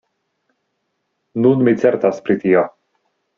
Nun mi certas pri tio.